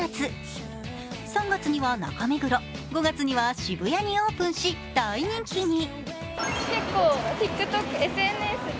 ３月には中目黒、５月には渋谷にオープンし大人気に。